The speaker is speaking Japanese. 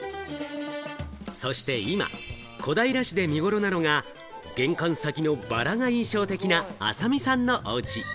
そして今、小平市で見頃なのが、玄関先のバラが印象的な浅見さんのおうち。